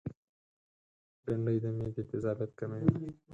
بېنډۍ د معدې تيزابیت کموي